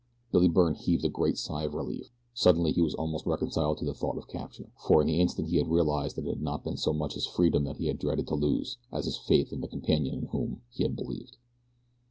Billy Byrne heaved a great sigh of relief. Suddenly he was almost reconciled to the thought of capture, for in the instant he had realized that it had not been so much his freedom that he had dreaded to lose as his faith in the companion in whom he had believed.